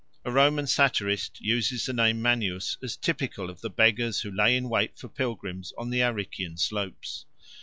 A Roman satirist uses the name Manius as typical of the beggars who lay in wait for pilgrims on the Arician slopes.